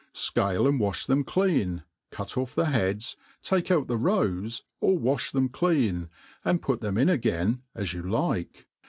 SCALE and wa(h them clean, cut ofF the heads, take oat the roes, or wa(h them clean, and put them in again as you like.